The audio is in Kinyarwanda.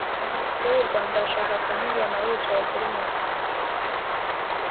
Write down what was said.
Uwo mukobwa ndashaka kumubona wicaye kuri moto